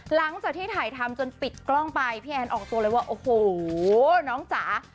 หลังจากที่ถ่ายทำจนปิดกล้องไปพี่แอนออกตัวเลยว่าโอ้โหน้องจ๋า